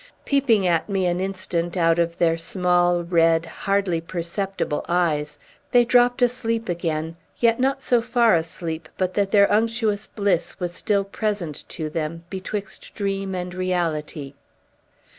Peeping at me an instant out of their small, red, hardly perceptible eyes, they dropt asleep again; yet not so far asleep but that their unctuous bliss was still present to them, betwixt dream and reality.